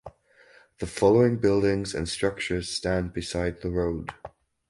The following buildings and structures stand beside the road.